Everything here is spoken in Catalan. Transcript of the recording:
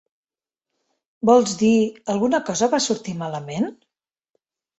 Vols dir, alguna cosa va sortir malament?